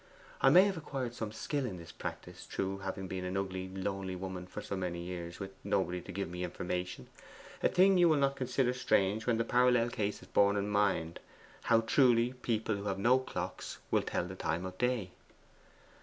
I may have acquired some skill in this practice through having been an ugly lonely woman for so many years, with nobody to give me information; a thing you will not consider strange when the parallel case is borne in mind, how truly people who have no clocks will tell the time of day.